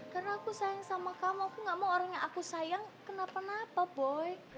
karena aku sayang sama kamu aku gak mau orang yang aku sayang kenapa napa boy